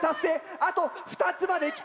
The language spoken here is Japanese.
あと２つまできた！